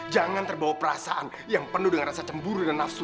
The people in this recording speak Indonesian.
jangan terbawa perasaan yang penuh dengan rasa cemburu dan nafsu